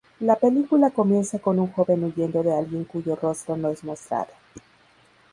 La película comienza con un joven huyendo de alguien cuyo rostro no es mostrado.